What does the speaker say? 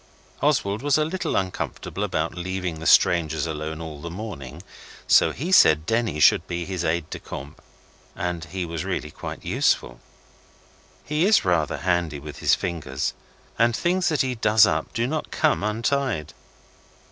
Oswald was a little uncomfortable about leaving the strangers alone all the morning, so he said Denny should be his aide de camp, and he was really quite useful. He is rather handy with his fingers, and things that he does up do not come untied.